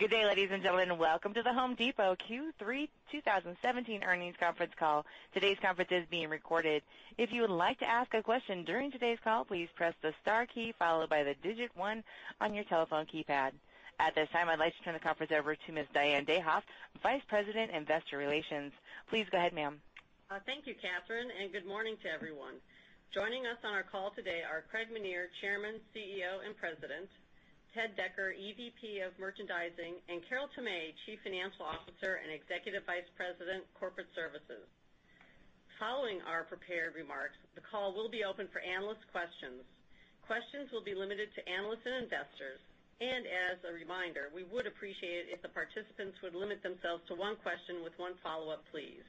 Good day, ladies and gentlemen. Welcome to The Home Depot Q3 2018 earnings conference call. Today's conference is being recorded. If you would like to ask a question during today's call, please press the star key followed by the digit 1 on your telephone keypad. At this time, I'd like to turn the conference over to Ms. Diane Dayhoff, Vice President, Investor Relations. Please go ahead, ma'am. Thank you, Catherine, and good morning to everyone. Joining us on our call today are Craig Menear, Chairman, CEO, and President, Ted Decker, EVP of Merchandising, and Carol Tomé, Chief Financial Officer and Executive Vice President, Corporate Services. Following our prepared remarks, the call will be open for analyst questions. Questions will be limited to analysts and investors. As a reminder, we would appreciate it if the participants would limit themselves to one question with one follow-up, please.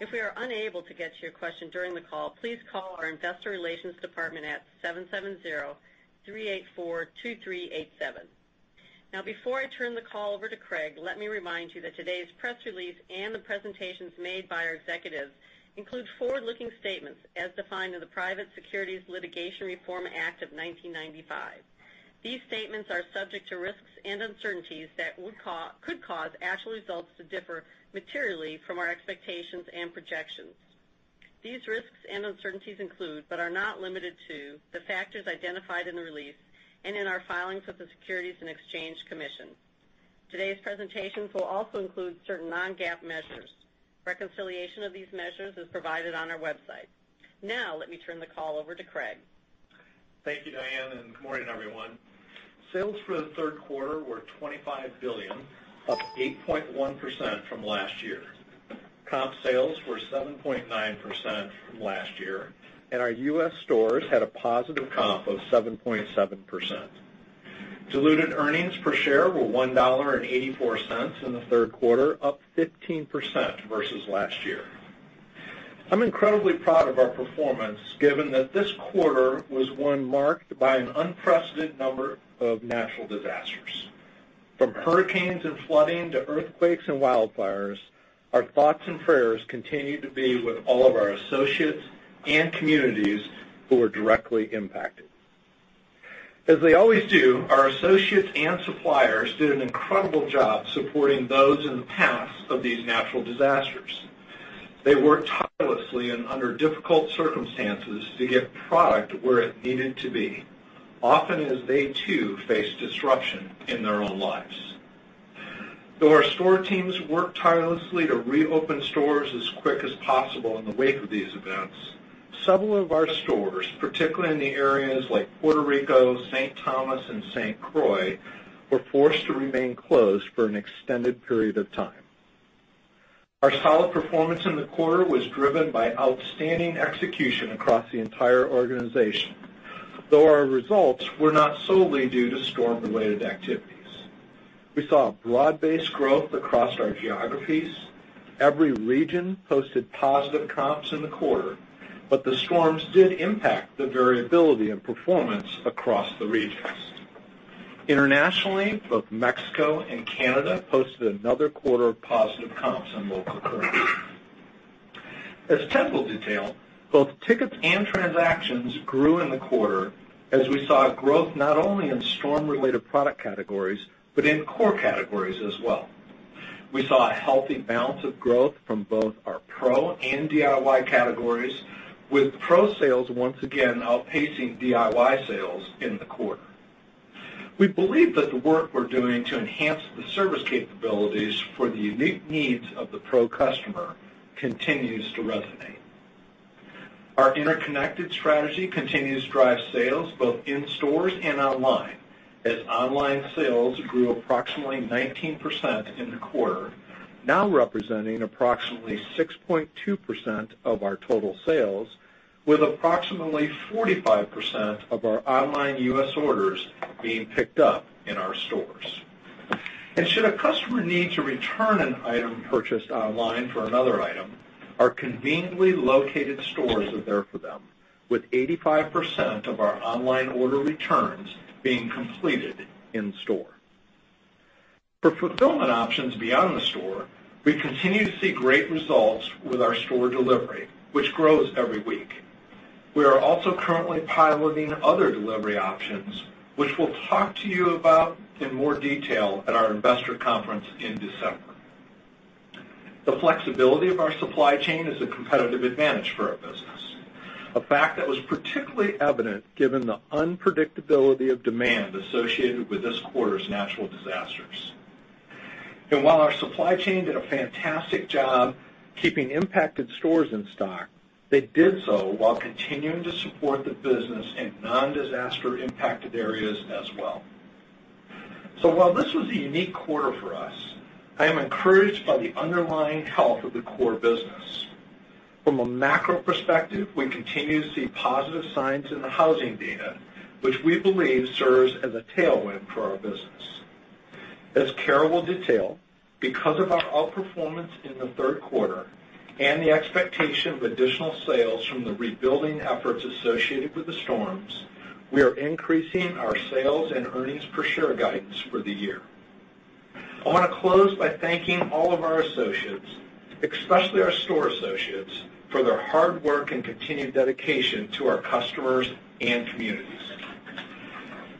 If we are unable to get to your question during the call, please call our investor relations department at 770-384-2387. Before I turn the call over to Craig, let me remind you that today's press release and the presentations made by our executives include forward-looking statements as defined in the Private Securities Litigation Reform Act of 1995. These statements are subject to risks and uncertainties that could cause actual results to differ materially from our expectations and projections. These risks and uncertainties include, but are not limited to, the factors identified in the release and in our filings with the Securities and Exchange Commission. Today's presentations will also include certain non-GAAP measures. Reconciliation of these measures is provided on our website. Let me turn the call over to Craig. Thank you, Diane, and good morning, everyone. Sales for the third quarter were $25 billion, up 8.1% from last year. Comp sales were 7.9% from last year. Our U.S. stores had a positive comp of 7.7%. Diluted earnings per share were $1.84 in the third quarter, up 15% versus last year. I'm incredibly proud of our performance, given that this quarter was one marked by an unprecedented number of natural disasters. From hurricanes and flooding to earthquakes and wildfires, our thoughts and prayers continue to be with all of our associates and communities who were directly impacted. As they always do, our associates and suppliers did an incredible job supporting those in the paths of these natural disasters. They worked tirelessly and under difficult circumstances to get product where it needed to be, often as they too faced disruption in their own lives. Though our store teams worked tirelessly to reopen stores as quick as possible in the wake of these events, several of our stores, particularly in the areas like Puerto Rico, St. Thomas, and St. Croix, were forced to remain closed for an extended period of time. Our solid performance in the quarter was driven by outstanding execution across the entire organization, though our results were not solely due to storm-related activities. We saw broad-based growth across our geographies. Every region posted positive comps in the quarter, but the storms did impact the variability of performance across the regions. Internationally, both Mexico and Canada posted another quarter of positive comps in local currency. As Ted will detail, both tickets and transactions grew in the quarter as we saw growth not only in storm-related product categories, but in core categories as well. We saw a healthy balance of growth from both our pro and DIY categories, with pro sales once again outpacing DIY sales in the quarter. We believe that the work we're doing to enhance the service capabilities for the unique needs of the pro customer continues to resonate. Our interconnected strategy continues to drive sales both in stores and online, as online sales grew approximately 19% in the quarter, now representing approximately 6.2% of our total sales, with approximately 45% of our online U.S. orders being picked up in our stores. Should a customer need to return an item purchased online for another item, our conveniently located stores are there for them, with 85% of our online order returns being completed in store. For fulfillment options beyond the store, we continue to see great results with our store delivery, which grows every week. We are also currently piloting other delivery options, which we'll talk to you about in more detail at our investor conference in December. The flexibility of our supply chain is a competitive advantage for our business, a fact that was particularly evident given the unpredictability of demand associated with this quarter's natural disasters. While our supply chain did a fantastic job keeping impacted stores in stock, they did so while continuing to support the business in non-disaster impacted areas as well. While this was a unique quarter for us, I am encouraged by the underlying health of the core business. From a macro perspective, we continue to see positive signs in the housing data, which we believe serves as a tailwind for our business. As Carol will detail, because of our outperformance in the third quarter and the expectation of additional sales from the rebuilding efforts associated with the storms, we are increasing our sales and earnings per share guidance for the year. I want to close by thanking all of our associates Especially our store associates for their hard work and continued dedication to our customers and communities.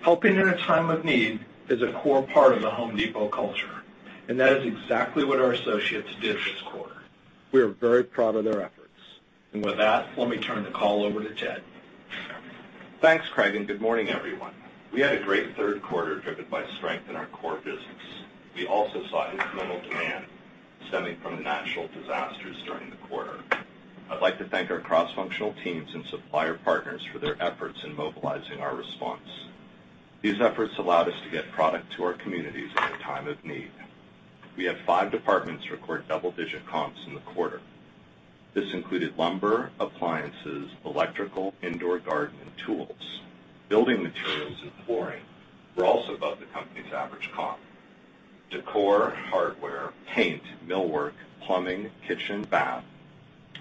Helping in a time of need is a core part of The Home Depot culture, and that is exactly what our associates did this quarter. We are very proud of their efforts. With that, let me turn the call over to Ted. Thanks, Craig, and good morning, everyone. We had a great third quarter driven by strength in our core business. We also saw incremental demand stemming from the natural disasters during the quarter. I'd like to thank our cross-functional teams and supplier partners for their efforts in mobilizing our response. These efforts allowed us to get product to our communities in a time of need. We had five departments record double-digit comps in the quarter. This included lumber, appliances, electrical, indoor garden, and tools. Building materials and flooring were also above the company's average comp. Decor, hardware, paint, millwork, plumbing, kitchen, bath,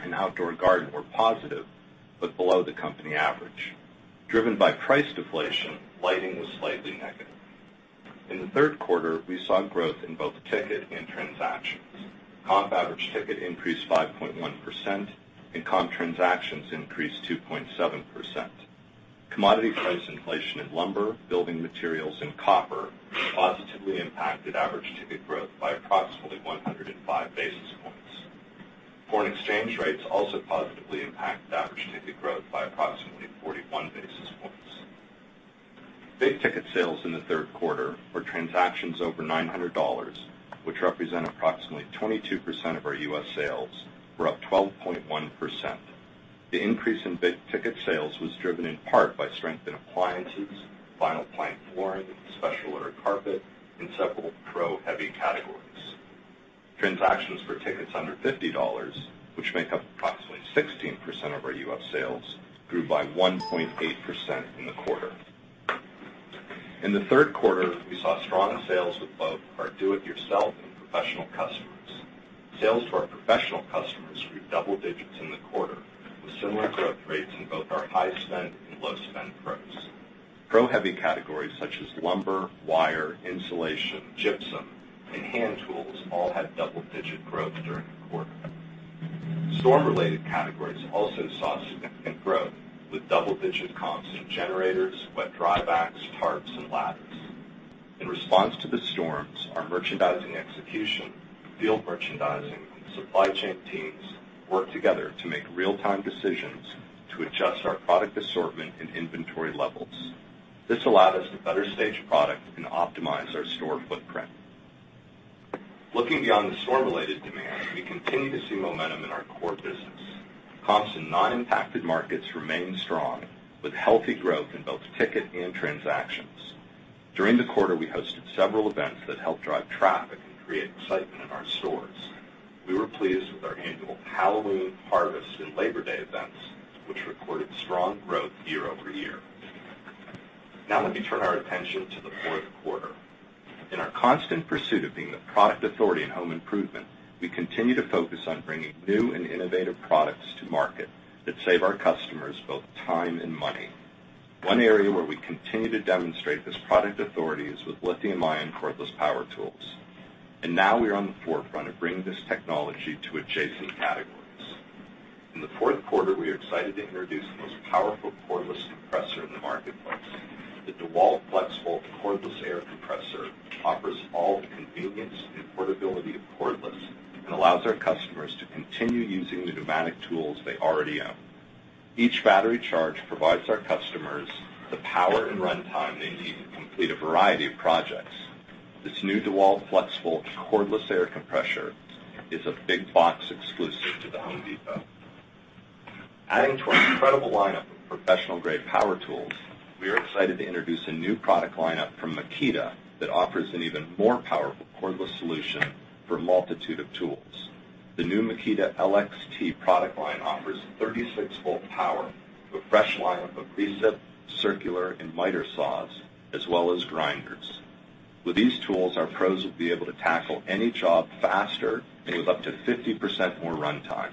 and outdoor garden were positive, but below the company average. Driven by price deflation, lighting was slightly negative. In the third quarter, we saw growth in both ticket and transactions. Comp average ticket increased 5.1%, and comp transactions increased 2.7%. Commodity price inflation in lumber, building materials, and copper positively impacted average ticket growth by approximately 105 basis points. Foreign exchange rates also positively impact average ticket growth by approximately 41 basis points. Big-ticket sales in the third quarter were transactions over $900, which represent approximately 22% of our U.S. sales, were up 12.1%. The increase in big-ticket sales was driven in part by strength in appliances, vinyl plank flooring, special order carpet, and several pro-heavy categories. Transactions for tickets under $50, which make up approximately 16% of our U.S. sales, grew by 1.8% in the quarter. In the third quarter, we saw strong sales with both our do-it-yourself and professional customers. Sales to our professional customers grew double digits in the quarter, with similar growth rates in both our high-spend and low-spend pros. Pro-heavy categories such as lumber, wire, insulation, gypsum, and hand tools all had double-digit growth during the quarter. Storm-related categories also saw significant growth, with double-digit comps in generators, wet/dry vacs, tarps, and ladders. In response to the storms, our merchandising execution, field merchandising, and supply chain teams worked together to make real-time decisions to adjust our product assortment and inventory levels. This allowed us to better stage product and optimize our store footprint. Looking beyond the storm-related demand, we continue to see momentum in our core business. Comps in non-impacted markets remain strong, with healthy growth in both ticket and transactions. During the quarter, we hosted several events that helped drive traffic and create excitement in our stores. We were pleased with our annual Halloween, Harvest, and Labor Day events, which recorded strong growth year-over-year. Let me turn our attention to the fourth quarter. In our constant pursuit of being the product authority in home improvement, we continue to focus on bringing new and innovative products to market that save our customers both time and money. One area where we continue to demonstrate this product authority is with lithium-ion cordless power tools. Now we are on the forefront of bringing this technology to adjacent categories. In the fourth quarter, we are excited to introduce the most powerful cordless compressor in the marketplace. The DEWALT FLEXVOLT cordless air compressor offers all the convenience and portability of cordless and allows our customers to continue using the pneumatic tools they already own. Each battery charge provides our customers the power and runtime they need to complete a variety of projects. This new DEWALT FLEXVOLT cordless air compressor is a big box exclusive to The Home Depot. Adding to our incredible lineup of professional-grade power tools, we are excited to introduce a new product lineup from Makita that offers an even more powerful cordless solution for a multitude of tools. The new Makita LXT product line offers 36-volt power with a fresh lineup of recip, circular, and miter saws, as well as grinders. With these tools, our pros will be able to tackle any job faster and with up to 50% more runtime.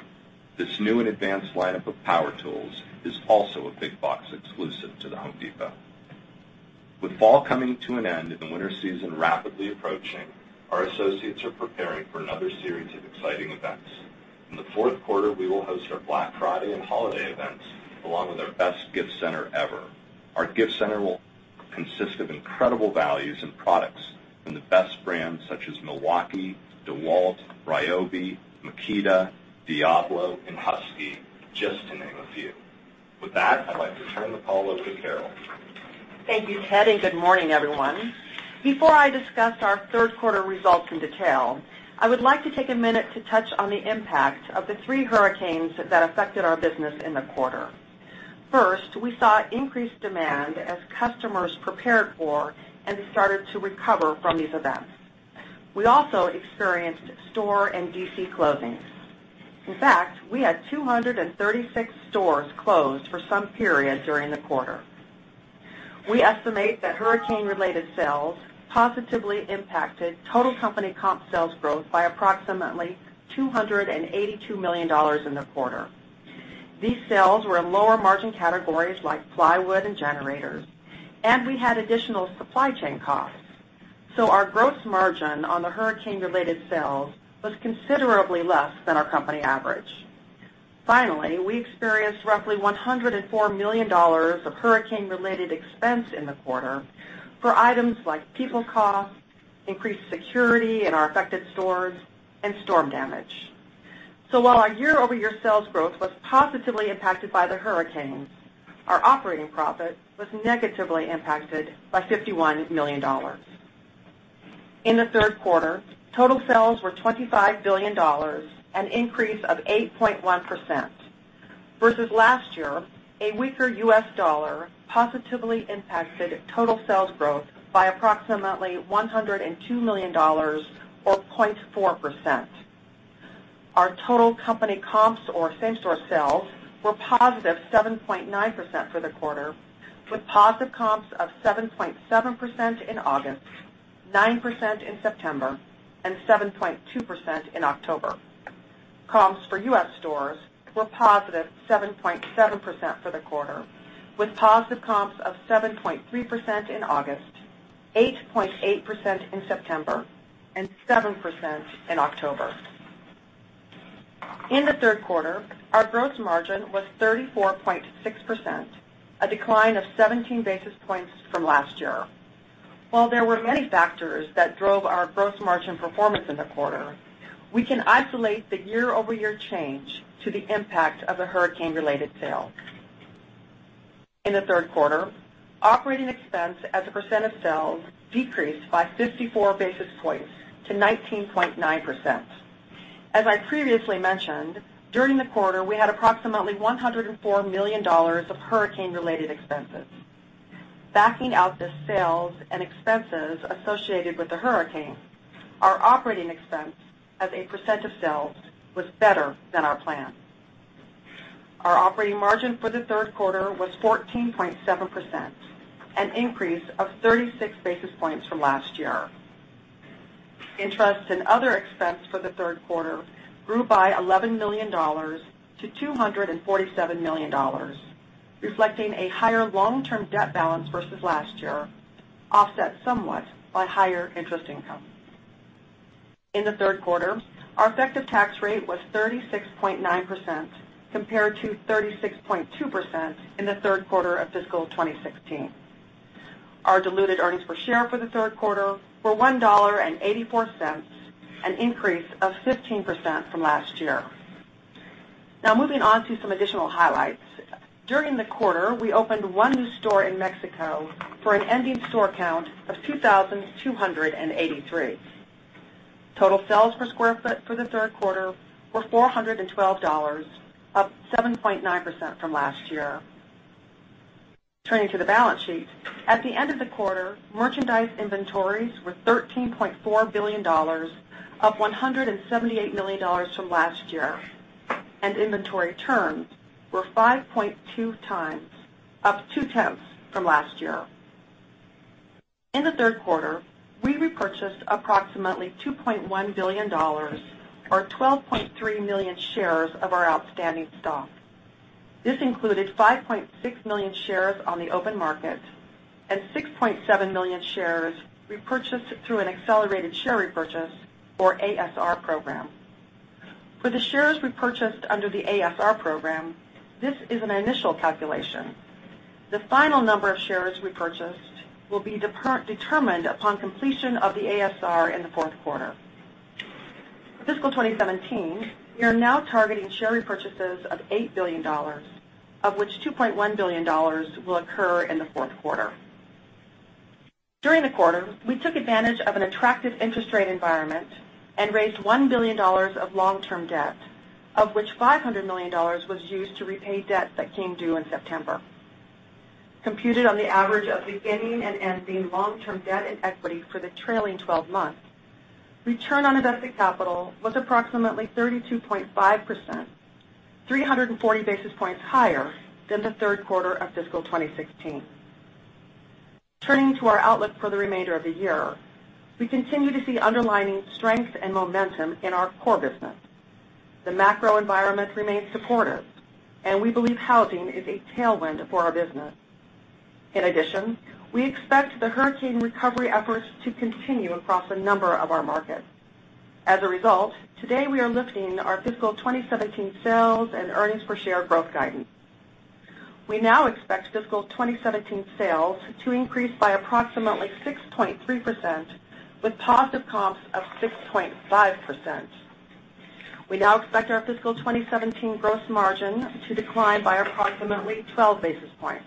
This new and advanced lineup of power tools is also a big box exclusive to The Home Depot. With fall coming to an end and the winter season rapidly approaching, our associates are preparing for another series of exciting events. In the fourth quarter, we will host our Black Friday and holiday events, along with our best gift center ever. Our gift center will consist of incredible values and products from the best brands such as Milwaukee, DEWALT, Ryobi, Makita, Diablo, and Husky, just to name a few. I'd like to turn the call over to Carol. Thank you, Ted, and good morning, everyone. Before I discuss our third quarter results in detail, I would like to take a minute to touch on the impact of the three hurricanes that affected our business in the quarter. First, we saw increased demand as customers prepared for and started to recover from these events. We also experienced store and DC closings. In fact, we had 236 stores closed for some period during the quarter. We estimate that hurricane-related sales positively impacted total company comp sales growth by approximately $282 million in the quarter. These sales were in lower margin categories like plywood and generators, and we had additional supply chain costs. Our gross margin on the hurricane-related sales was considerably less than our company average. Finally, we experienced roughly $104 million of hurricane-related expense in the quarter for items like people costs, increased security in our affected stores, and storm damage. While our year-over-year sales growth was positively impacted by the hurricanes, our operating profit was negatively impacted by $51 million. In the third quarter, total sales were $25 billion, an increase of 8.1%. Versus last year, a weaker U.S. dollar positively impacted total sales growth by approximately $102 million, or 0.4%. Our total company comps or same-store sales were positive 7.9% for the quarter, with positive comps of 7.7% in August, 9% in September, and 7.2% in October. Comps for U.S. stores were positive 7.7% for the quarter, with positive comps of 7.3% in August, 8.8% in September, and 7% in October. In the third quarter, our gross margin was 34.6%, a decline of 17 basis points from last year. While there were many factors that drove our gross margin performance in the quarter, we can isolate the year-over-year change to the impact of the hurricane-related sales. In the third quarter, operating expense as a percent of sales decreased by 54 basis points to 19.9%. As I previously mentioned, during the quarter, we had approximately $104 million of hurricane-related expenses. Backing out the sales and expenses associated with the hurricane, our operating expense as a percent of sales was better than our plan. Our operating margin for the third quarter was 14.7%, an increase of 36 basis points from last year. Interest and other expense for the third quarter grew by $11 million to $247 million, reflecting a higher long-term debt balance versus last year, offset somewhat by higher interest income. In the third quarter, our effective tax rate was 36.9%, compared to 36.2% in the third quarter of fiscal 2016. Our diluted earnings per share for the third quarter were $1.84, an increase of 15% from last year. Moving on to some additional highlights. During the quarter, we opened one new store in Mexico for an ending store count of 2,283. Total sales per square foot for the third quarter were $412, up 7.9% from last year. Turning to the balance sheet. At the end of the quarter, merchandise inventories were $13.4 billion, up $178 million from last year, and inventory turns were 5.2 times, up two-tenths from last year. In the third quarter, we repurchased approximately $2.1 billion or 12.3 million shares of our outstanding stock. This included 5.6 million shares on the open market and 6.7 million shares repurchased through an accelerated share repurchase or ASR program. For the shares repurchased under the ASR program, this is an initial calculation. The final number of shares repurchased will be determined upon completion of the ASR in the fourth quarter. For fiscal 2017, we are now targeting share repurchases of $8 billion, of which $2.1 billion will occur in the fourth quarter. During the quarter, we took advantage of an attractive interest rate environment and raised $1 billion of long-term debt, of which $500 million was used to repay debt that came due in September. Computed on the average of beginning and ending long-term debt and equity for the trailing 12 months, return on invested capital was approximately 32.5%, 340 basis points higher than the third quarter of fiscal 2016. Turning to our outlook for the remainder of the year, we continue to see underlying strength and momentum in our core business. The macro environment remains supportive, we believe housing is a tailwind for our business. In addition, we expect the hurricane recovery efforts to continue across a number of our markets. As a result, today we are lifting our fiscal 2017 sales and earnings per share growth guidance. We now expect fiscal 2017 sales to increase by approximately 6.3%, with positive comps of 6.5%. We now expect our fiscal 2017 gross margin to decline by approximately 12 basis points.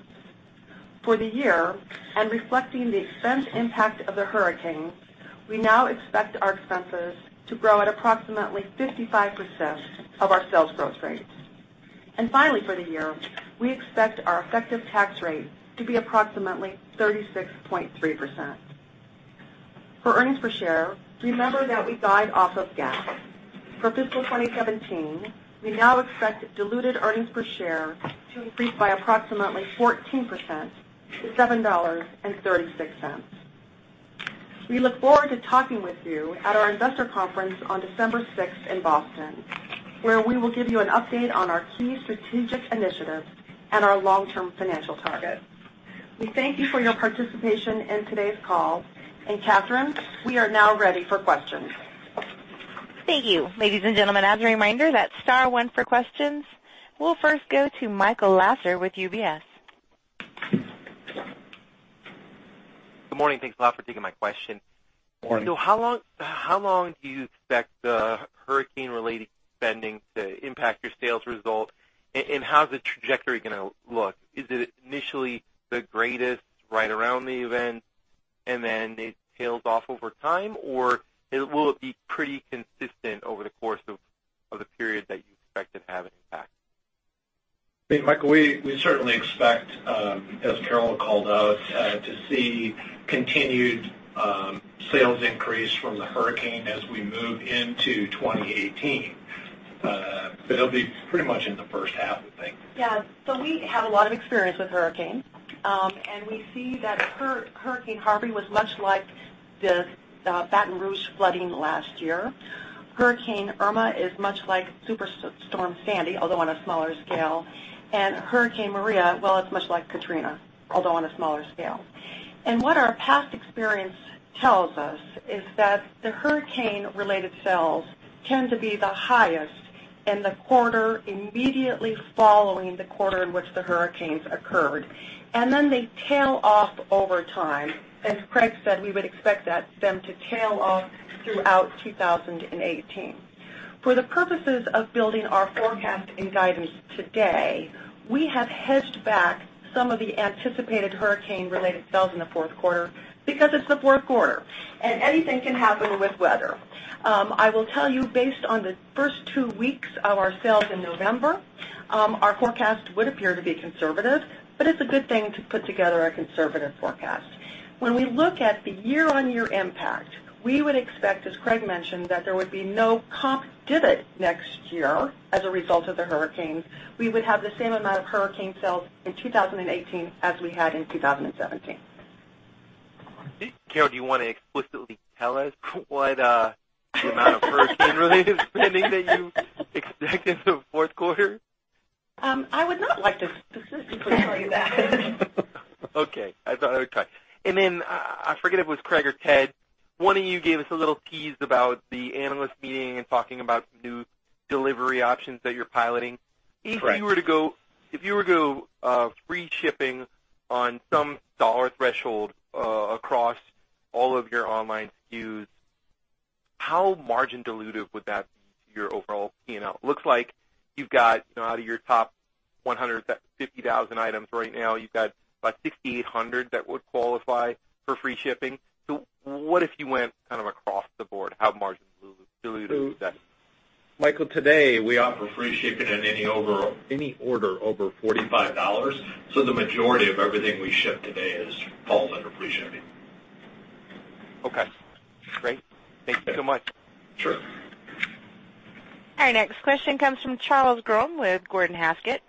For the year, reflecting the expense impact of the hurricanes, we now expect our expenses to grow at approximately 55% of our sales growth rate. Finally, for the year, we expect our effective tax rate to be approximately 36.3%. For earnings per share, remember that we guide off of GAAP. For fiscal 2017, we now expect diluted earnings per share to increase by approximately 14% to $7.36. We look forward to talking with you at our investor conference on December 6th in Boston, where we will give you an update on our key strategic initiatives and our long-term financial targets. We thank you for your participation in today's call, Catherine, we are now ready for questions. Thank you. Ladies and gentlemen, as a reminder, that's star one for questions. We'll first go to Michael Lasser with UBS. Good morning. Thanks a lot for taking my question. Morning. How long do you expect the hurricane-related spending to impact your sales result? How's the trajectory going to look? Is it initially the greatest right around the event, and then it tails off over time, or will it be pretty consistent over the course of the period that you expect it to have an impact? Hey, Michael, we certainly expect, as Carol Tomé called out, to see continued sales increase from the hurricane as we move into 2018. It'll be pretty much in the first half, I think. Yeah. We have a lot of experience with hurricanes. We see that Hurricane Harvey was much like the Baton Rouge flooding last year. Hurricane Irma is much like Superstorm Sandy, although on a smaller scale. Hurricane Maria, well, it's much like Katrina, although on a smaller scale. What our past experience tells us is that the hurricane-related sales tend to be the highest in the quarter immediately following the quarter in which the hurricanes occurred. Then they tail off over time. As Craig Menear said, we would expect them to tail off throughout 2018. For the purposes of building our forecast and guidance today, we have hedged back some of the anticipated hurricane-related sales in the fourth quarter because it's the fourth quarter, and anything can happen with weather. I will tell you, based on the first two weeks of our sales in November, our forecast would appear to be conservative. It's a good thing to put together a conservative forecast. When we look at the year-on-year impact, we would expect, as Craig Menear mentioned, that there would be no comp divot next year as a result of the hurricanes. We would have the same amount of hurricane sales in 2018 as we had in 2017. Carol, do you want to explicitly tell us what the amount of hurricane-related spending that you expect in the fourth quarter? I would not like to specifically tell you that. I thought I would try. I forget if it was Craig or Ted, one of you gave us a little tease about the analyst meeting and talking about new delivery options that you're piloting. Correct. If you were to go free shipping on some dollar threshold across all of your online SKUs, how margin dilutive would that be to your overall P&L? Looks like you've got, out of your top 150,000 items right now, you've got about 6,800 that would qualify for free shipping. What if you went across the board? How margin dilutive would that be? Michael, today, we offer free shipping in any order over $45. The majority of everything we ship today falls under free shipping. Okay, great. Thank you so much. Sure. Our next question comes from Chuck Grom with Gordon Haskett.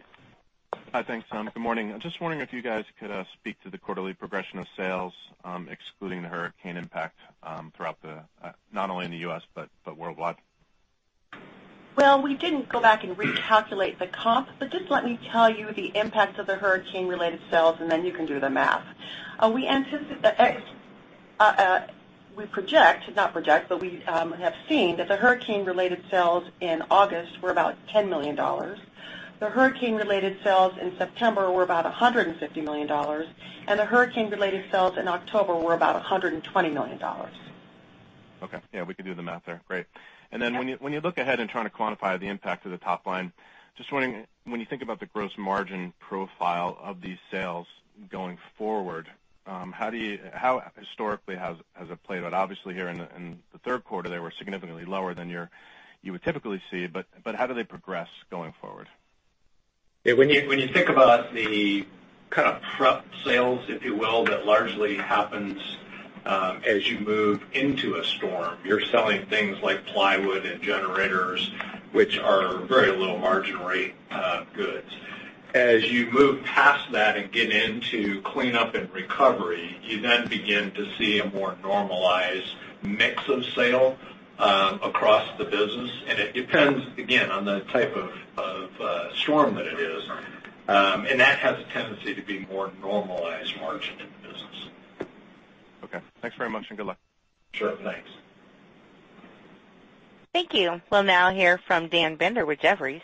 Hi, thanks. Good morning. Just wondering if you guys could speak to the quarterly progression of sales, excluding the hurricane impact, not only in the U.S., but worldwide. Well, we didn't go back and recalculate the comp, just let me tell you the impact of the hurricane-related sales. You can do the math. We have seen that the hurricane-related sales in August were about $10 million. The hurricane-related sales in September were about $150 million, and the hurricane-related sales in October were about $120 million. Okay. Yeah, we could do the math there. Great. When you look ahead and trying to quantify the impact to the top line, just wondering, when you think about the gross margin profile of these sales going forward, how historically has it played out? Obviously, here in the third quarter, they were significantly lower than you would typically see, how do they progress going forward? When you think about the kind of prep sales, if you will, that largely happens as you move into a storm. You're selling things like plywood and generators, which are very low margin rate goods. As you move past that and get into cleanup and recovery, you then begin to see a more normalized mix of sale across the business. It depends, again, on the type of storm that it is. That has a tendency to be more normalized margin in the business. Okay. Thanks very much, good luck. Sure. Thanks. Thank you. We'll now hear from Dan Bender with Jefferies.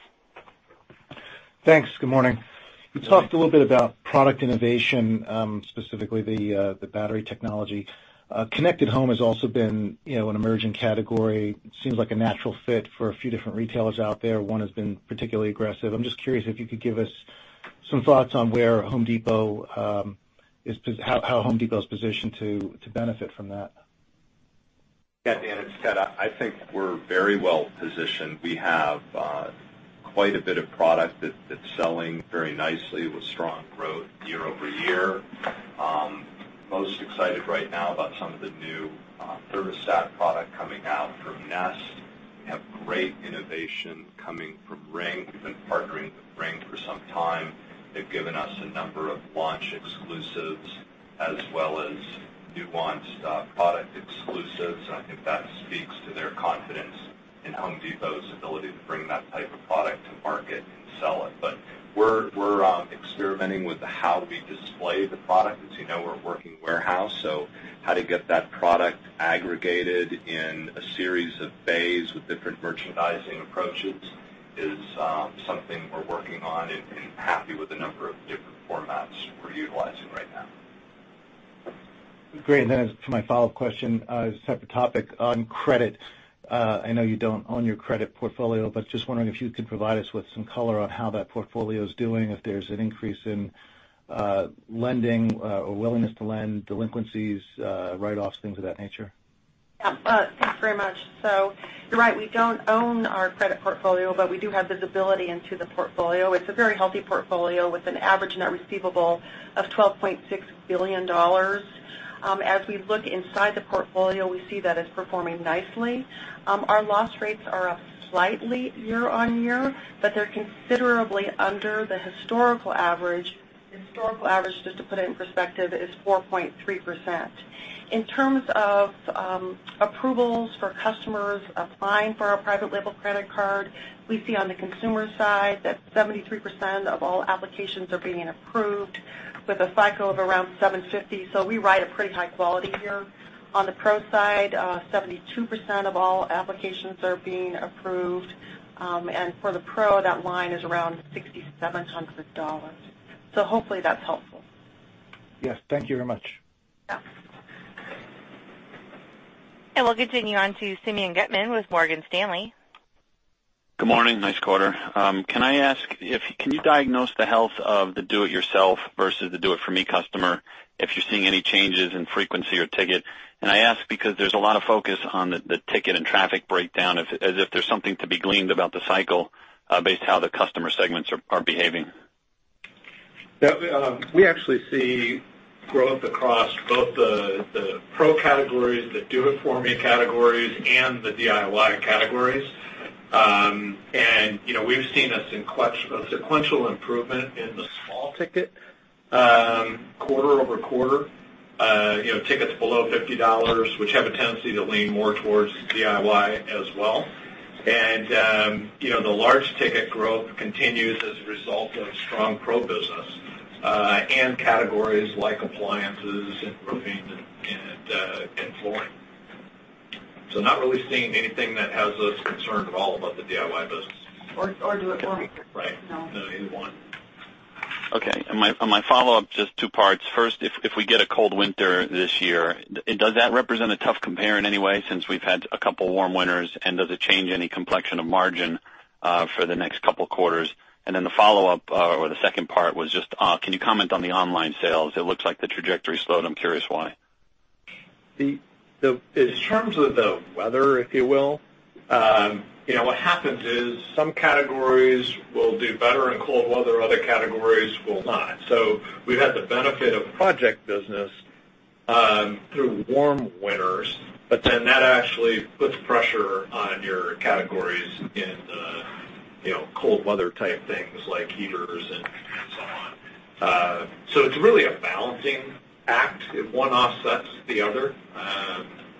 Thanks. Good morning. Good morning. You talked a little bit about product innovation, specifically the battery technology. Connected Home has also been an emerging category. It seems like a natural fit for a few different retailers out there. One has been particularly aggressive. I'm just curious if you could give us some thoughts on how The Home Depot is positioned to benefit from that. Yeah, Dan, it's Ted. I think we're very well-positioned. We have quite a bit of product that's selling very nicely with strong growth year-over-year. Most excited right now about some of the new thermostat product coming out from Nest. We have great innovation coming from Ring. We've been partnering with Ring for some time. They've given us a number of launch exclusives as well as nuanced product exclusives, and I think that speaks to their confidence in The Home Depot's ability to bring that type of product to market and sell it. We're experimenting with how we display the product. As you know, we're a working warehouse, how to get that product aggregated in a series of bays with different merchandising approaches is something we're working on and happy with the number of different formats we're utilizing right now. Great. To my follow-up question, a separate topic. On credit, I know you don't own your credit portfolio, just wondering if you could provide us with some color on how that portfolio is doing, if there's an increase in lending or willingness to lend, delinquencies, write-offs, things of that nature. Yeah. Thanks very much. You're right, we don't own our credit portfolio, we do have visibility into the portfolio. It's a very healthy portfolio with an average net receivable of $12.6 billion. As we look inside the portfolio, we see that it's performing nicely. Our loss rates are up slightly year-on-year, they're considerably under the historical average. The historical average, just to put it in perspective, is 4.3%. In terms of approvals for customers applying for our private label credit card, we see on the consumer side that 73% of all applications are being approved with a FICO of around 750. We write a pretty high quality here. On the pro side, 72% of all applications are being approved. For the pro, that line is around $6,700. Hopefully that's helpful. Yes. Thank you very much. Yeah. We'll continue on to Simeon Gutman with Morgan Stanley. Good morning. Nice quarter. Can you diagnose the health of the do it yourself versus the do it for me customer, if you're seeing any changes in frequency or ticket? I ask because there's a lot of focus on the ticket and traffic breakdown as if there's something to be gleaned about the cycle based how the customer segments are behaving. Yeah. We actually see growth across both the pro categories, the do it for me categories, and the DIY categories. We've seen a sequential improvement in the small ticket quarter-over-quarter, tickets below $50, which have a tendency to lean more towards DIY as well. The large ticket growth continues as a result of strong pro business, and categories like appliances and roofing and flooring. Not really seeing anything that has us concerned at all about the DIY business. Or do it for me. Right. No, either one. Okay. My follow-up, just two parts. First, if we get a cold winter this year, does that represent a tough compare in any way since we've had a couple warm winters? Does it change any complexion of margin for the next couple quarters? The follow-up, or the second part was just, can you comment on the online sales? It looks like the trajectory slowed. I'm curious why. In terms of the weather, if you will, what happens is some categories will do better in cold weather, other categories will not. We've had the benefit of project business through warm winters, but then that actually puts pressure on your categories in the cold weather type things like heaters and so on. It's really a balancing act if one offsets the other.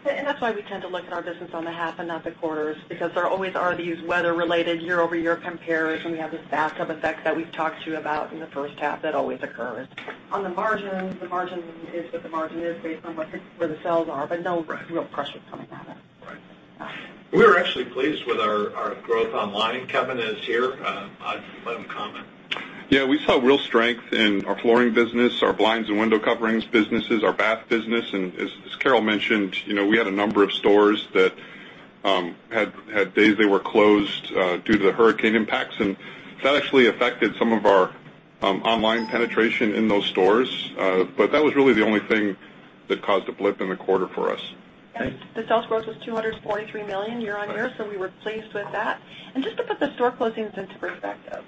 That's why we tend to look at our business on the half and not the quarters, because there always are these weather-related year-over-year compares, and we have this bathtub effect that we've talked to you about in the first half that always occurs. On the margin, the margin is what the margin is based on where the sales are, but no real pressure coming at us. Right. We're actually pleased with our growth online. Kevin is here. I'll let him comment. Yeah, we saw real strength in our flooring business, our blinds and window coverings businesses, our bath business. As Carol mentioned, we had a number of stores that had days they were closed due to the hurricane impacts, and that actually affected some of our online penetration in those stores. That was really the only thing that caused a blip in the quarter for us. The sales growth was $243 million year-on-year. Right We were pleased with that. Just to put the store closings into perspective,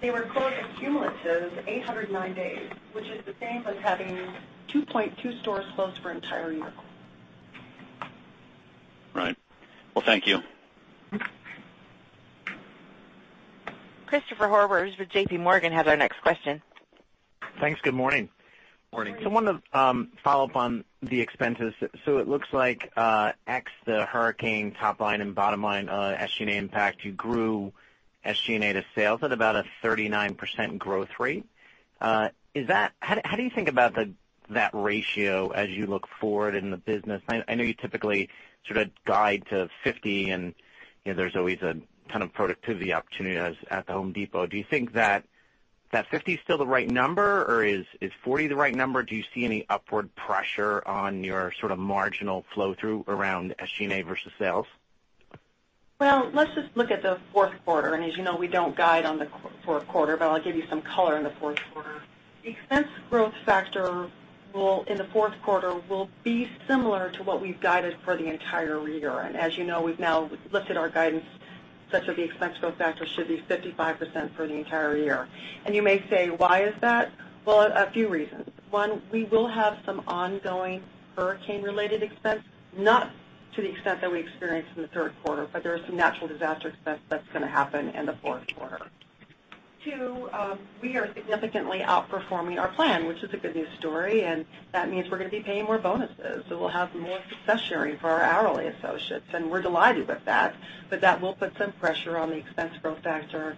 they were closed a cumulative 809 days, which is the same as having 2.2 stores closed for an entire year. Right. Well, thank you. Christopher Horvers with J.P. Morgan has our next question. Thanks. Good morning. Morning. Wanted to follow up on the expenses. It looks like ex the hurricane top line and bottom line SG&A impact, you grew SG&A to sales at about a 39% growth rate. How do you think about that ratio as you look forward in the business? I know you typically sort of guide to 50, and there's always a ton of productivity opportunity at The Home Depot. Do you think that 50 is still the right number, or is 40 the right number? Do you see any upward pressure on your sort of marginal flow-through around SG&A versus sales? Let's just look at the fourth quarter, and as you know, we don't guide on the fourth quarter, but I'll give you some color on the fourth quarter. Expense growth factor in the fourth quarter will be similar to what we've guided for the entire year. As you know, we've now lifted our guidance such that the expense growth factor should be 55% for the entire year. You may say, why is that? A few reasons. One, we will have some ongoing hurricane-related expense, not to the extent that we experienced in the third quarter, but there is some natural disaster expense that's going to happen in the fourth quarter. Two, we are significantly outperforming our plan, which is a good news story, and that means we're going to be paying more bonuses. We'll have more Success Sharing for our hourly associates, and we're delighted with that. That will put some pressure on the expense growth factor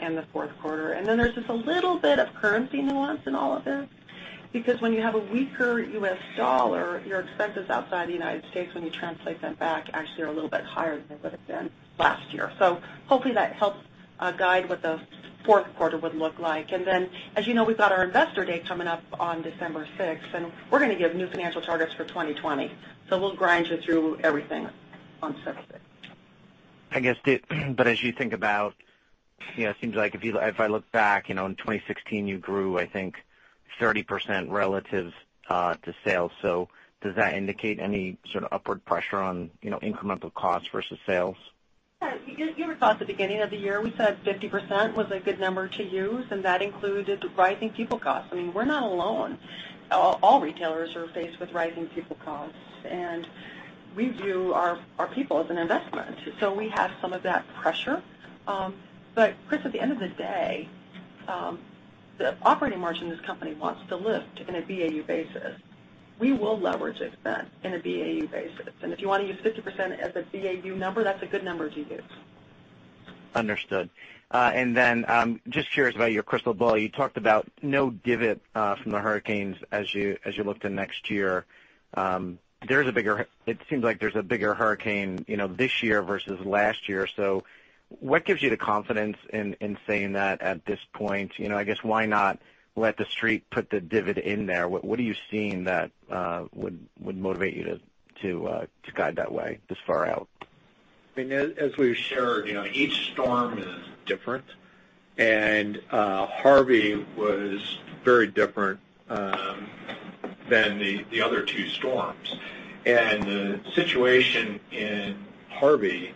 in the fourth quarter. There's just a little bit of currency nuance in all of this, because when you have a weaker US dollar, your expenses outside the United States, when you translate them back, actually are a little bit higher than they would have been last year. Hopefully that helps guide what the fourth quarter would look like. Then, as you know, we've got our investor day coming up on December sixth, and we're going to give new financial targets for 2020. We'll grind you through everything on December sixth. As you think about, it seems like if I look back, in 2016 you grew, I think, 30% relative to sales. Does that indicate any sort of upward pressure on incremental cost versus sales? If you recall at the beginning of the year, we said 50% was a good number to use, and that included rising people costs. I mean, we're not alone. All retailers are faced with rising people costs, and we view our people as an investment. We have some of that pressure. Chris, at the end of the day, the operating margin this company wants to lift in a BAU basis. We will leverage expense in a BAU basis. If you want to use 50% as a BAU number, that's a good number to use. Understood. Just curious about your crystal ball. You talked about no divot from the hurricanes as you look to next year. It seems like there's a bigger hurricane this year versus last year. What gives you the confidence in saying that at this point? I guess why not let the street put the divot in there? What are you seeing that would motivate you to guide that way this far out? As we've shared, each storm is different, and Harvey was very different than the other two storms. The situation in Harvey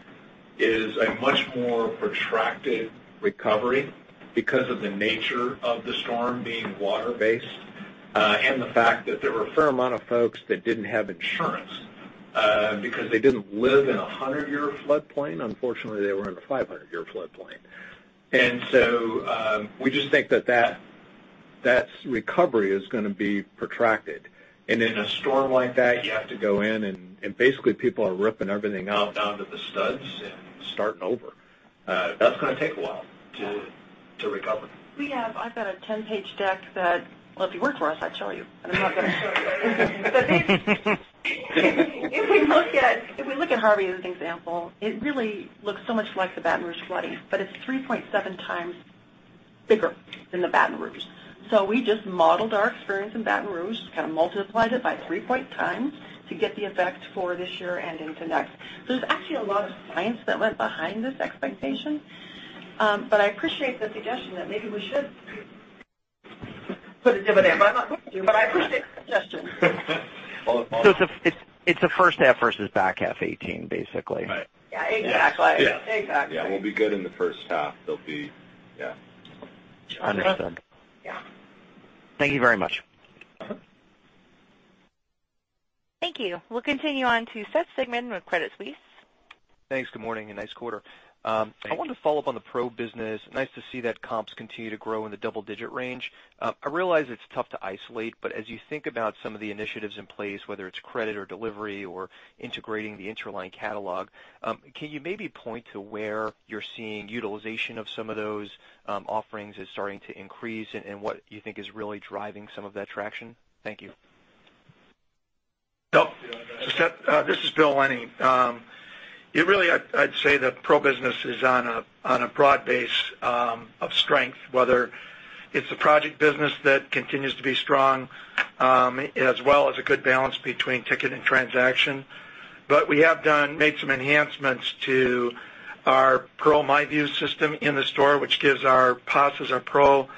is a much more protracted recovery because of the nature of the storm being water-based, and the fact that there were a fair amount of folks that didn't have insurance because they didn't live in a 100-year floodplain. Unfortunately, they were in a 500-year floodplain. We just think that recovery is going to be protracted. In a storm like that, you have to go in and basically people are ripping everything out down to the studs and starting over. That's going to take a while to recover. I've got a 10-page deck that, well, if you worked for us, I'd show you, but I'm not going to show you. If we look at Harvey as an example, it really looks so much like the Baton Rouge flooding, but it's 3.7 times bigger than the Baton Rouge. We just modeled our experience in Baton Rouge, just kind of multiplied it by 3.7 times to get the effect for this year and into next. There's actually a lot of science that went behind this expectation. I appreciate the suggestion that maybe we should put a divot, but I'm not going to, but I appreciate the suggestion. It's a first half versus back half 2018, basically. Right. Yeah, exactly. Yeah. Exactly. Yeah, we'll be good in the first half. Understood. Yeah. Thank you very much. Thank you. We'll continue on to Seth Sigman with Credit Suisse. Thanks. Good morning, and nice quarter. Thank you. I wanted to follow up on the Pro business. Nice to see that comps continue to grow in the double-digit range. I realize it's tough to isolate, as you think about some of the initiatives in place, whether it's credit or delivery or integrating the Interline catalog, can you maybe point to where you're seeing utilization of some of those offerings is starting to increase and what you think is really driving some of that traction? Thank you. Seth, this is Bill Lennie. I'd say the pro business is on a broad base of strength, whether it's the project business that continues to be strong, as well as a good balance between ticket and transaction. We have made some enhancements to our Pro My View system in the store, which gives our PAS, our Pro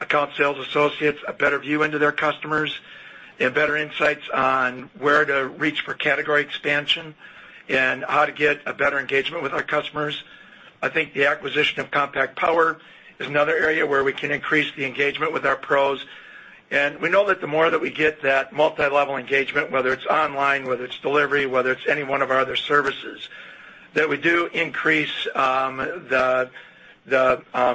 Account Sales associates, a better view into their customers and better insights on where to reach for category expansion and how to get a better engagement with our customers. I think the acquisition of Compact Power is another area where we can increase the engagement with our pros. We know that the more that we get that multilevel engagement, whether it's online, whether it's delivery, whether it's any one of our other services, that we do increase the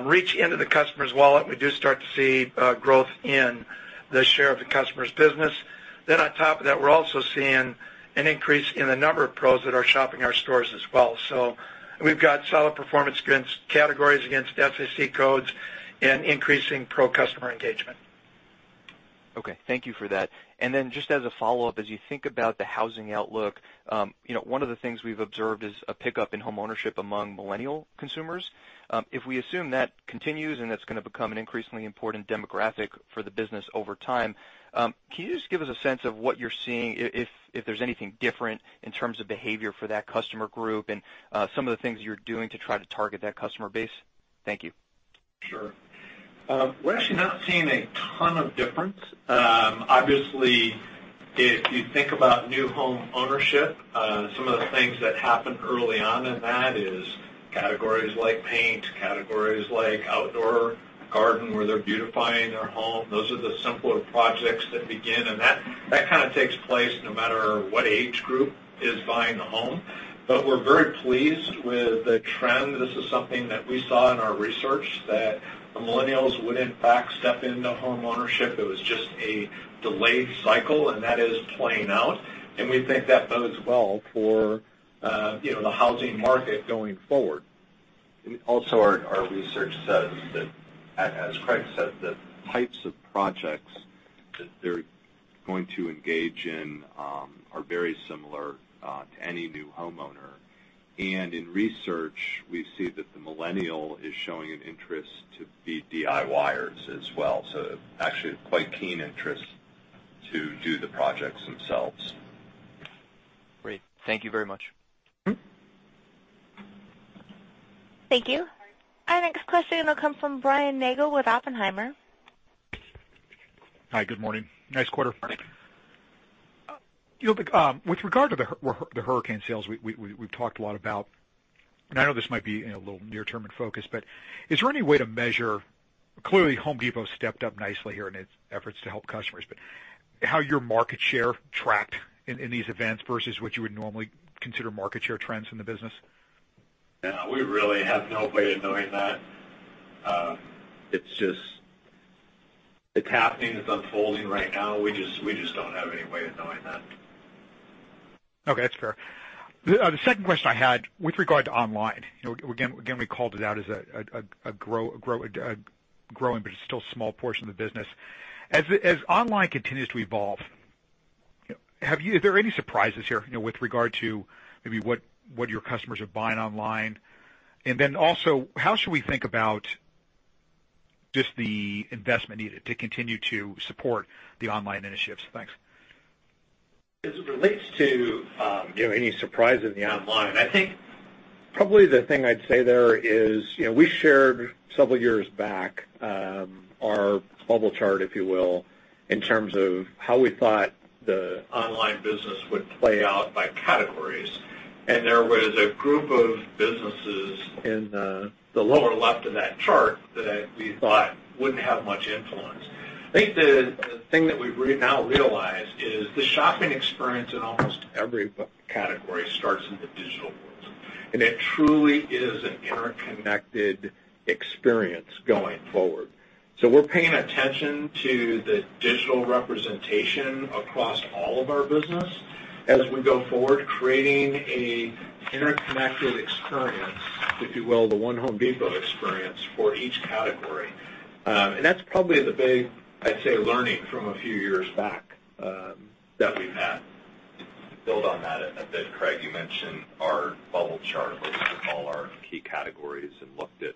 reach into the customer's wallet. We do start to see growth in the share of the customer's business. On top of that, we're also seeing an increase in the number of pros that are shopping our stores as well. We've got solid performance against categories, against SAC codes, and increasing pro customer engagement. Okay. Thank you for that. Just as a follow-up, as you think about the housing outlook, one of the things we've observed is a pickup in homeownership among millennial consumers. If we assume that continues and that's going to become an increasingly important demographic for the business over time, can you just give us a sense of what you're seeing, if there's anything different in terms of behavior for that customer group and some of the things you're doing to try to target that customer base? Thank you. Sure. We're actually not seeing a ton of difference. Obviously, if you think about new home ownership, some of the things that happen early on in that is categories like paint, categories like outdoor garden, where they're beautifying their home. Those are the simpler projects that begin, that kind of takes place no matter what age group is buying the home. We're very pleased with the trend. This is something that we saw in our research, that the millennials would, in fact, step into homeownership. It was just a delayed cycle, that is playing out. We think that bodes well for the housing market going forward. Our research says that, as Craig said, the types of projects that they're going to engage in are very similar to any new homeowner. In research, we see that the millennial is showing an interest to be DIYers as well. Actually, a quite keen interest to do the projects themselves. Great. Thank you very much. Thank you. Our next question will come from Brian Nagel with Oppenheimer. Hi, good morning. Nice quarter. With regard to the hurricane sales, we've talked a lot about, I know this might be a little near-term in focus. Is there any way to measure, Clearly, The Home Depot stepped up nicely here in its efforts to help customers, but how your market share tracked in these events versus what you would normally consider market share trends in the business? Yeah, we really have no way of knowing that. It's happening, it's unfolding right now. We just don't have any way of knowing that. Okay, that's fair. The second question I had with regard to online, again, we called it out as growing, but it's still a small portion of the business. As online continues to evolve, are there any surprises here with regard to maybe what your customers are buying online? Then also, how should we think about just the investment needed to continue to support the online initiatives? Thanks. As it relates to any surprise in the online, I think probably the thing I'd say there is, we shared several years back our bubble chart, if you will, in terms of how we thought the online business would play out by categories. There was a group of businesses in the lower left of that chart that we thought wouldn't have much influence. I think the thing that we've now realized is the shopping experience in almost every category starts in the digital world, it truly is an interconnected experience going forward. We're paying attention to the digital representation across all of our business as we go forward, creating an interconnected experience, if you will, the one Home Depot experience for each category. That's probably the big, I'd say, learning from a few years back that we've had. To build on that a bit, Craig, you mentioned our bubble chart where we took all our key categories and looked at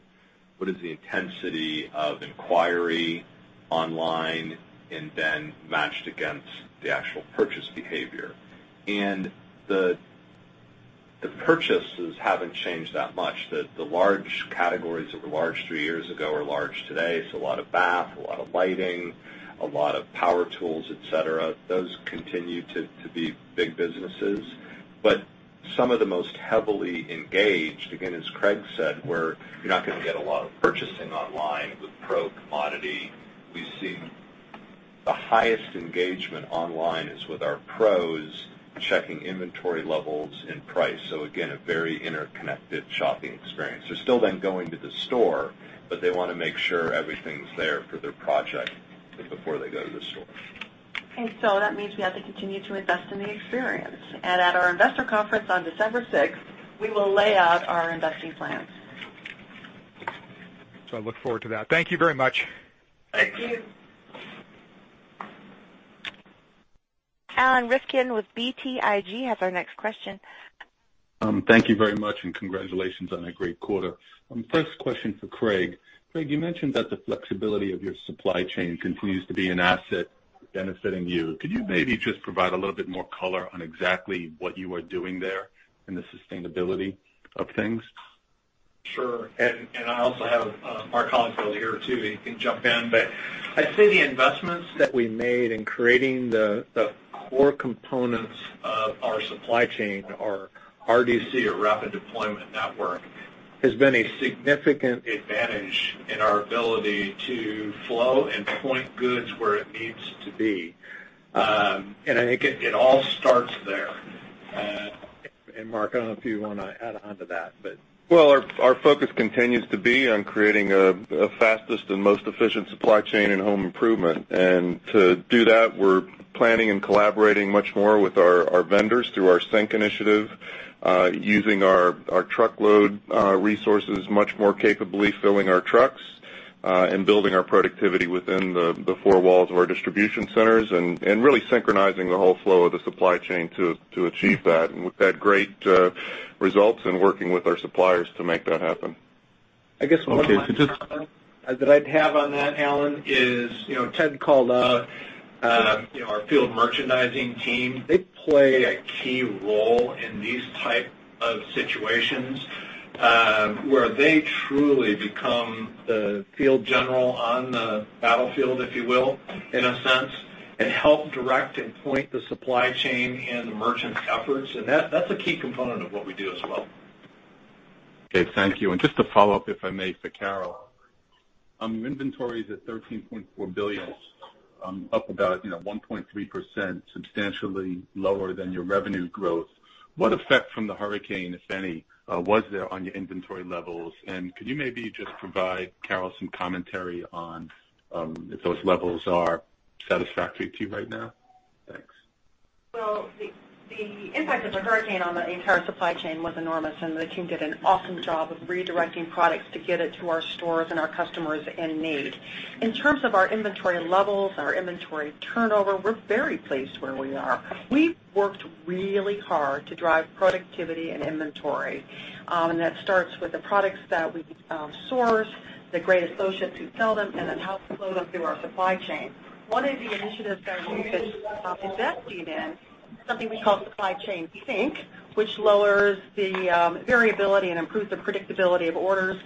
what is the intensity of inquiry online and then matched against the actual purchase behavior. The purchases haven't changed that much. The large categories that were large three years ago are large today. A lot of bath, a lot of lighting, a lot of power tools, et cetera. Those continue to be big businesses. Some of the most heavily engaged, again, as Craig said, where you're not going to get a lot of purchasing online with pro commodity, we've seen the highest engagement online is with our pros checking inventory levels and price. Again, a very interconnected shopping experience. They're still then going to the store, but they want to make sure everything's there for their project before they go to the store. That means we have to continue to invest in the experience. At our investor conference on December 6, we will lay out our investing plans. I look forward to that. Thank you very much. Thank you. Alan Rifkin with BTIG has our next question. Thank you very much, and congratulations on a great quarter. First question for Craig. Craig, you mentioned that the flexibility of your supply chain continues to be an asset benefiting you. Could you maybe just provide a little bit more color on exactly what you are doing there and the sustainability of things? Sure. I also have Mark Holifield here, too. He can jump in. I'd say the investments that we made in creating the core components of our supply chain, our RDC or rapid deployment network, has been a significant advantage in our ability to flow and point goods where it needs to be. I think it all starts there. Mark, I don't know if you want to add on to that. Well, our focus continues to be on creating the fastest and most efficient supply chain in home improvement. To do that, we're planning and collaborating much more with our vendors through our Sync initiative, using our truckload resources much more capably, filling our trucks, and building our productivity within the four walls of our distribution centers, and really synchronizing the whole flow of the supply chain to achieve that. We've had great results in working with our suppliers to make that happen. I guess one last that I'd have on that, Alan, is Ted called out Our field merchandising team, they play a key role in these type of situations, where they truly become the field general on the battlefield, if you will, in a sense, and help direct and point the supply chain and the merchant efforts. That's a key component of what we do as well. Okay, thank you. Just to follow up, if I may, for Carol. Inventories at $13.4 billion, up about 1.3%, substantially lower than your revenue growth. What effect from the hurricane, if any, was there on your inventory levels? Could you maybe just provide Carol some commentary on if those levels are satisfactory to you right now? Thanks. Well, the impact of the hurricane on the entire supply chain was enormous, and the team did an awesome job of redirecting products to get it to our stores and our customers in need. In terms of our inventory levels, our inventory turnover, we're very pleased where we are. We worked really hard to drive productivity and inventory. That starts with the products that we source, the great associates who sell them, and then how to flow them through our supply chain. One of the initiatives that we've been investing in, something we call Supply Chain Sync, which lowers the variability and improves the predictability of orders.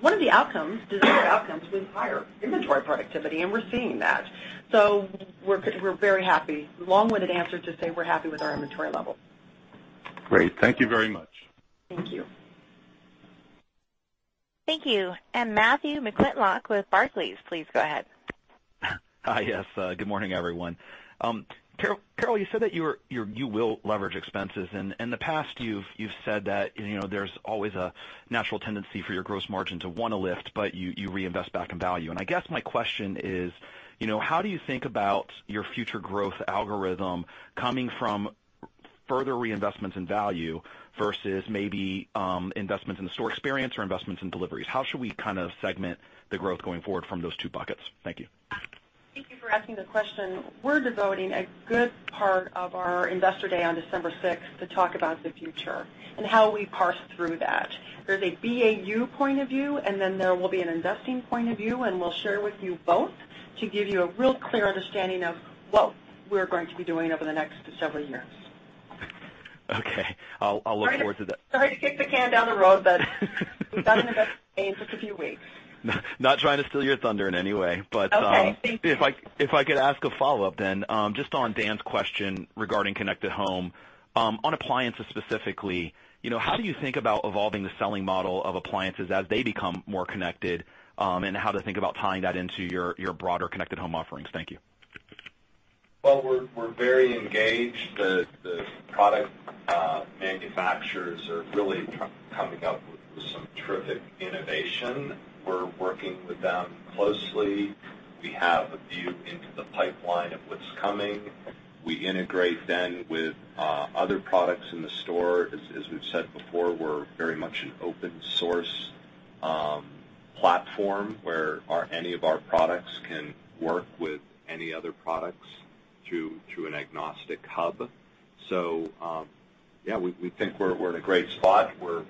One of the desired outcomes was higher inventory productivity, and we're seeing that. We're very happy. Long-winded answer to say we're happy with our inventory level. Great. Thank you very much. Thank you. Thank you. Matthew McClintock with Barclays, please go ahead. Hi, yes. Good morning, everyone. Carol, you said that you will leverage expenses. In the past, you've said that there's always a natural tendency for your gross margin to want to lift, but you reinvest back in value. I guess my question is: How do you think about your future growth algorithm coming from further reinvestments in value versus maybe investments in the store experience or investments in deliveries? How should we segment the growth going forward from those two buckets? Thank you. Thank you for asking the question. We're devoting a good part of our Investor Day on December 6th to talk about the future and how we parse through that. There's a BAU point of view, and then there will be an investing point of view, and we'll share with you both to give you a real clear understanding of what we're going to be doing over the next several years. Okay. I'll look forward to that. Sorry to kick the can down the road, we've got an Investor Day in just a few weeks. Not trying to steal your thunder in any way. Okay. Thank you. if I could ask a follow-up then. Just on Dan Bender's question regarding Connected Home, on appliances specifically, how do you think about evolving the selling model of appliances as they become more connected? How to think about tying that into your broader Connected Home offerings? Thank you. Well, we're very engaged. The product manufacturers are really coming up with some terrific innovation. We're working with them closely. We have a view into the pipeline of what's coming. We integrate then with other products in the store. As we've said before, we're very much an open source platform where any of our products can work with any other products through an agnostic hub. Yeah, we think we're in a great spot where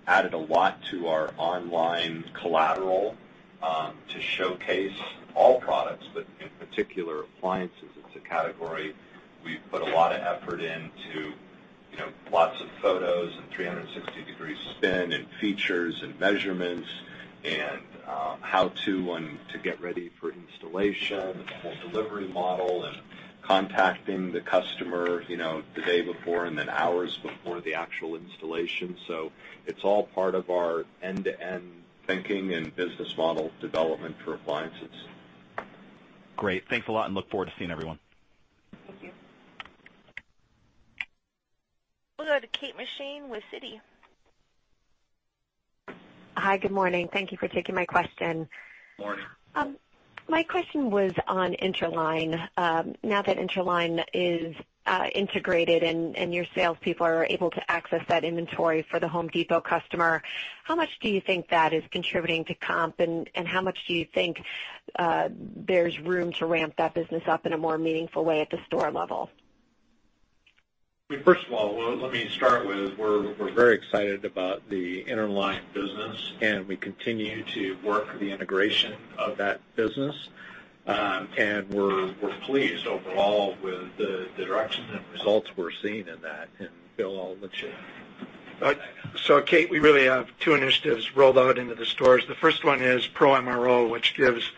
we've added a lot to our online collateral to showcase all products, but in particular, appliances. It's a category we've put a lot of effort into lots of photos and 360-degree spin and features and measurements and how to get ready for installation, the whole delivery model, and contacting the customer the day before and then hours before the actual installation. It's all part of our end-to-end thinking and business model development for appliances. Great. Thanks a lot, and look forward to seeing everyone. Thank you. We'll go to Kate McShane with Citi. Hi, good morning. Thank you for taking my question. Morning. My question was on Interline. Now that Interline is integrated and your salespeople are able to access that inventory for The Home Depot customer, how much do you think that is contributing to comp, and how much do you think there's room to ramp that business up in a more meaningful way at the store level? First of all, let me start with, we're very excited about the Interline business, and we continue to work the integration of that business. We're pleased overall with the direction and results we're seeing in that. Bill, I'll let you Kate, we really have two initiatives rolled out into the stores. The first one is Pro MRO, which gives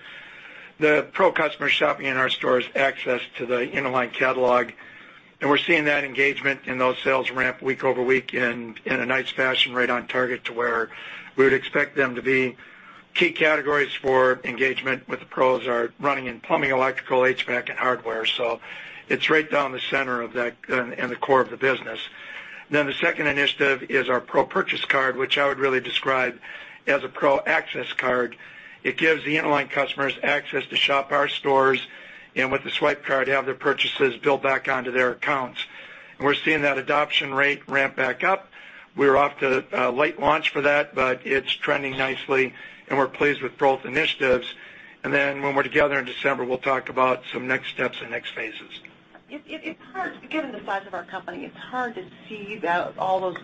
the pro customer shopping in our stores access to the Interline catalog. We're seeing that engagement and those sales ramp week over week in a nice fashion, right on target to where we would expect them to be. Key categories for engagement with the pros are running and plumbing, electrical, HVAC, and hardware. It's right down the center of that and the core of the business. The second initiative is our Pro Purchase Card, which I would really describe as a Pro access card. It gives the Interline customers access to shop our stores, and with the swipe card, have their purchases billed back onto their accounts. We're seeing that adoption rate ramp back up. We were off to a late launch for that, but it's trending nicely, and we're pleased with both initiatives. When we're together in December, we'll talk about some next steps and next phases. Given the size of our company, it's hard to see that all those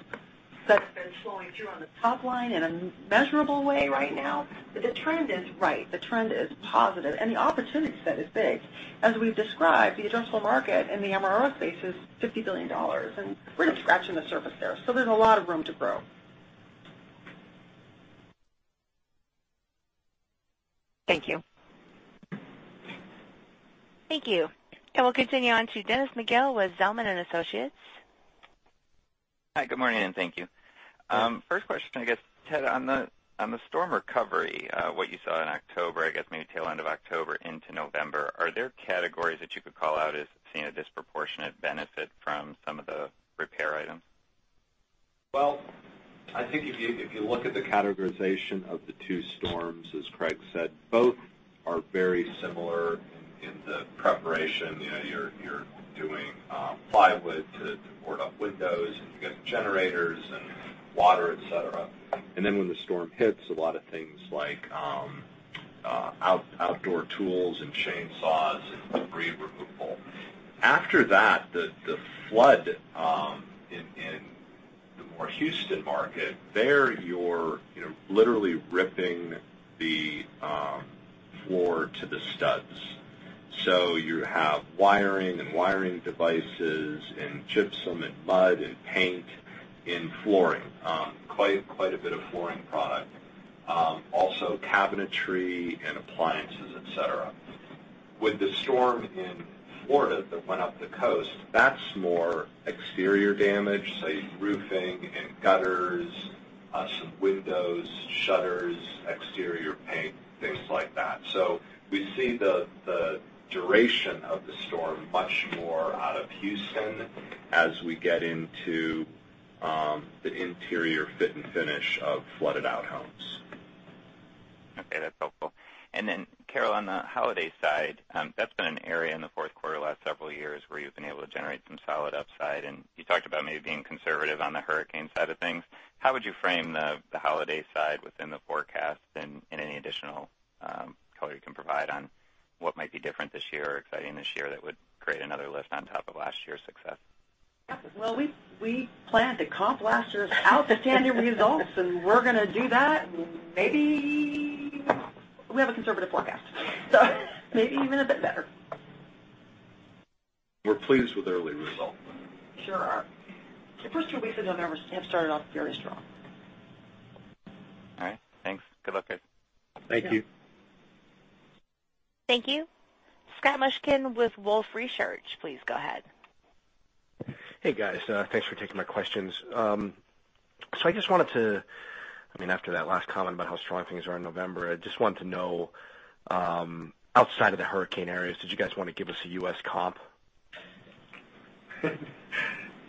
have been flowing through on the top line in a measurable way right now. The trend is right, the trend is positive, and the opportunity set is big. As we've described, the addressable market in the MRO space is $50 billion, we're scratching the surface there. There's a lot of room to grow. Thank you. Thank you. We'll continue on to Dennis McGill with Zelman & Associates. Hi, good morning, thank you. Yeah. First question, I guess, Ted, on the storm recovery, what you saw in October, I guess maybe tail end of October into November, are there categories that you could call out as seeing a disproportionate benefit from some of the repair items? Well, I think if you look at the categorization of the two storms, as Craig said, both are very similar in the preparation. You're doing plywood to board up windows, you got generators and water, et cetera. Then when the storm hits, a lot of things like outdoor tools and chainsaws and debris removal. After that, the flood in the more Houston market, there you're literally ripping the floor to the studs. You have wiring and wiring devices and gypsum and mud and paint and flooring. Quite a bit of flooring product. Also cabinetry and appliances, et cetera. With the storm in Florida that went up the coast, that's more exterior damage, say roofing and gutters, some windows, shutters, exterior paint, things like that. We see the duration of the storm much more out of Houston as we get into the interior fit and finish of flooded-out homes. Okay, that's helpful. Carol, on the holiday side, that's been an area in the fourth quarter the last several years where you've been able to generate some solid upside. You talked about maybe being conservative on the hurricane side of things. How would you frame the holiday side within the forecast and any additional color you can provide on what might be different this year or exciting this year that would create another lift on top of last year's success? We plan to comp last year's outstanding results, and we're gonna do that. Maybe We have a conservative forecast. Maybe even a bit better. We're pleased with early results. Sure are. The first two weeks of November have started off very strong. All right, thanks. Good luck, guys. Thank you. Thank you. Scott Mushkin with Wolfe Research, please go ahead. Hey, guys. Thanks for taking my questions. I just wanted to, after that last comment about how strong things are in November, I just wanted to know, outside of the hurricane areas, did you guys want to give us a U.S. comp? I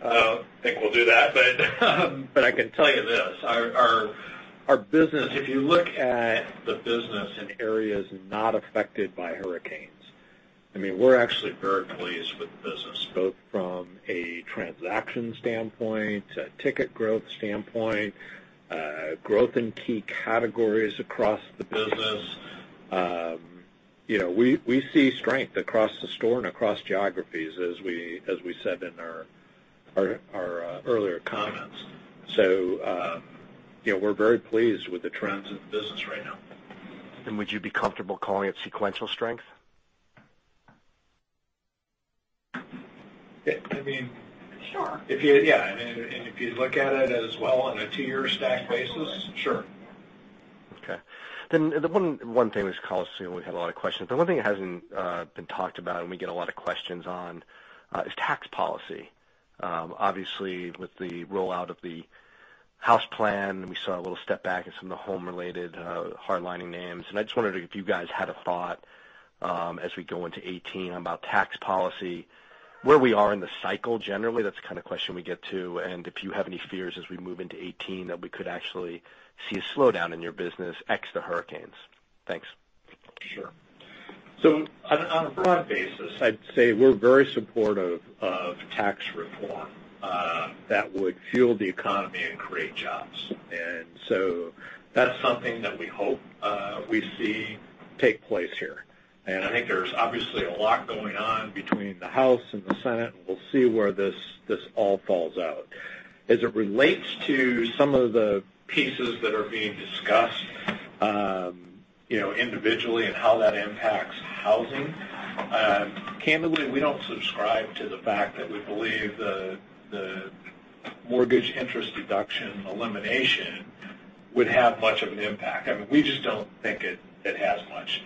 don't think we'll do that. I can tell you this. If you look at the business in areas not affected by hurricanes, we're actually very pleased with the business, both from a transaction standpoint, a ticket growth standpoint, growth in key categories across the business. We see strength across the store and across geographies, as we said in our earlier comments. We're very pleased with the trends in the business right now. Would you be comfortable calling it sequential strength? Yeah. Sure. Yeah. If you look at it as well on a two-year stacked basis. Absolutely sure. Okay. The one thing, we had a lot of questions. The one thing that hasn't been talked about and we get a lot of questions on is tax policy. Obviously, with the rollout of the House plan, we saw a little step back in some of the home-related hardlining names. I just wondered if you guys had a thought as we go into 2018 about tax policy, where we are in the cycle generally. That's the kind of question we get, too. If you have any fears as we move into 2018 that we could actually see a slowdown in your business, ex the hurricanes. Thanks. Sure. On a broad basis, I'd say we're very supportive of tax reform that would fuel the economy and create jobs. That's something that we hope we see take place here. I think there's obviously a lot going on between the House and the Senate, and we'll see where this all falls out. As it relates to some of the pieces that are being discussed individually and how that impacts housing, candidly, we don't subscribe to the fact that we believe the mortgage interest deduction elimination would have much of an impact. We just don't think it has much,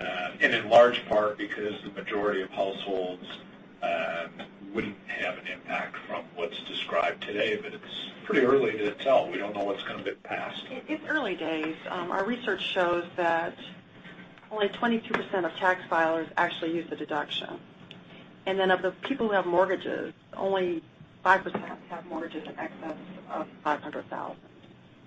and in large part because the majority of households wouldn't have an impact from what's described today. It's pretty early to tell. We don't know what's gonna get passed. It's early days. Our research shows that only 22% of tax filers actually use the deduction. Of the people who have mortgages, only 5% have mortgages in excess of $500,000.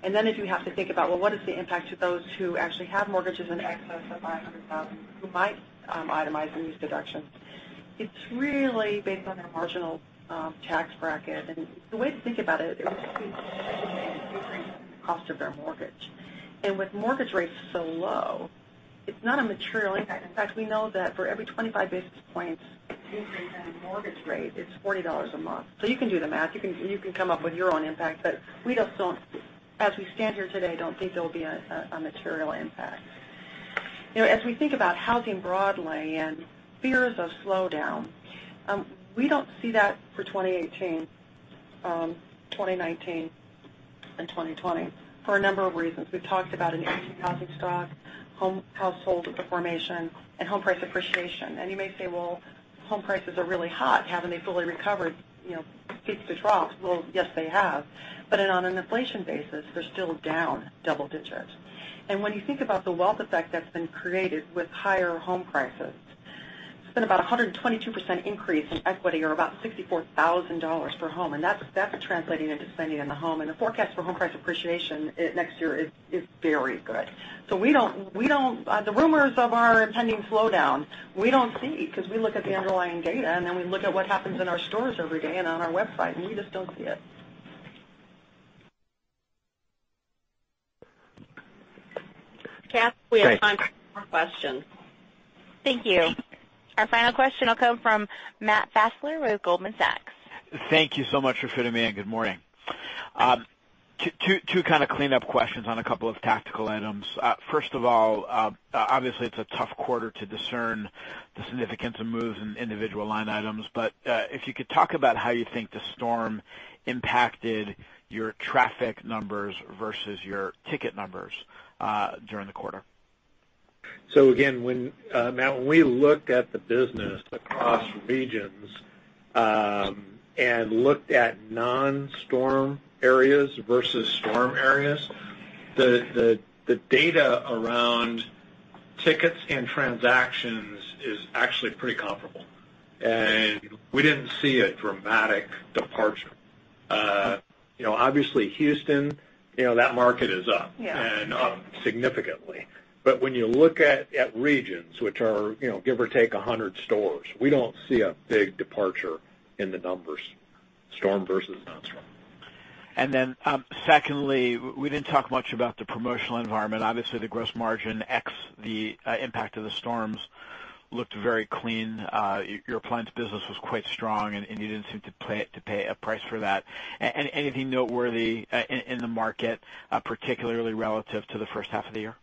If you have to think about, well, what is the impact to those who actually have mortgages in excess of $500,000 who might itemize and use deductions? It's really based on their marginal tax bracket. The way to think about it is cost of their mortgage. With mortgage rates so low, it's not a material impact. In fact, we know that for every 25 basis points increase in a mortgage rate, it's $40 a month. You can do the math. You can come up with your own impact, we just, as we stand here today, don't think there'll be a material impact. As we think about housing broadly and fears of slowdown, we don't see that for 2018, 2019, and 2020 for a number of reasons. We've talked about an aging housing stock, household formation, and home price appreciation. You may say, "Well, home prices are really hot. Haven't they fully recovered peak to trough?" Well, yes, they have, on an inflation basis, they're still down double digits. When you think about the wealth effect that's been created with higher home prices, it's been about 122% increase in equity or about $64,000 per home, and that's translating into spending in the home. The forecast for home price appreciation next year is very good. The rumors of our pending slowdown, we don't see because we look at the underlying data, and then we look at what happens in our stores every day and on our website, and we just don't see it. Kath, we have time for one more question. Thank you. Our final question will come from Matt Fassler with Goldman Sachs. Thank you so much for fitting me in. Good morning. Two cleanup questions on a couple of tactical items. First of all, obviously, it's a tough quarter to discern the significance of moves in individual line items. If you could talk about how you think the storm impacted your traffic numbers versus your ticket numbers during the quarter. Again, Matt, when we looked at the business across regions and looked at non-storm areas versus storm areas, the data around tickets and transactions is actually pretty comparable. We didn't see a dramatic departure. Obviously, Houston, that market is. Yeah Up significantly. When you look at regions, which are give or take 100 stores, we don't see a big departure in the numbers, storm versus non-storm. Secondly, we didn't talk much about the promotional environment. Obviously, the gross margin ex the impact of the storms looked very clean. Your appliance business was quite strong, and you didn't seem to pay a price for that. Anything noteworthy in the market, particularly relative to the first half of the year?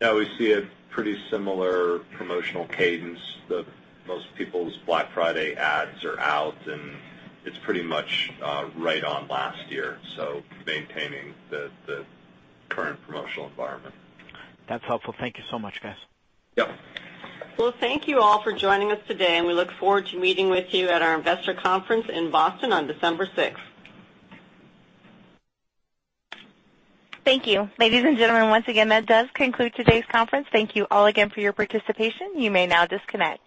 No, we see a pretty similar promotional cadence. Most people's Black Friday ads are out, it's pretty much right on last year, maintaining the current promotional environment. That's helpful. Thank you so much, guys. Yep. Well, thank you all for joining us today, and we look forward to meeting with you at our investor conference in Boston on December 6th. Thank you. Ladies and gentlemen, once again, that does conclude today's conference. Thank you all again for your participation. You may now disconnect.